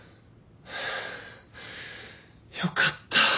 よかった。